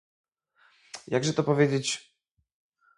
"jakże to powiedzieć?..."